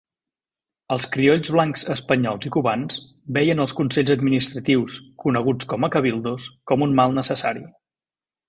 Els criolls blancs espanyols i cubans veien els consells administratius, coneguts com a cabildos, com un mal necessari.